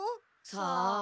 さあ？